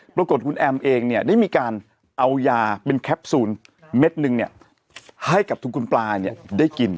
ปรากฏคุณแอมเองเนี่ยได้มีการเอายาเป็นแคปซูลเม็ดนึงให้กับทุกคุณปลาเนี่ยได้กิน